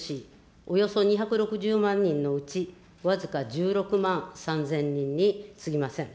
およそ２６０万人のうち僅か１６万３０００人にすぎません。